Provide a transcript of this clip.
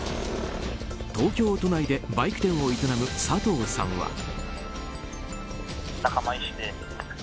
東京都内でバイク店を営む佐藤さんは。